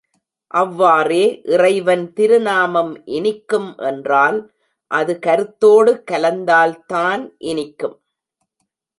அவ்வாறே இறைவன் திருநாமம் இனிக்கும் என்றால், அது கருத்தோடு கலந்தால்தான் இனிக்கும்.